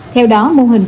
theo đó mô hình